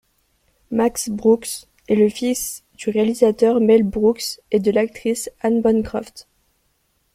Max Brooks est le fils du réalisateur Mel Brooks et de l'actrice Anne Bancroft.